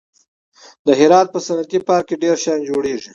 د هرات په صنعتي پارک کې ډېر شیان جوړېږي.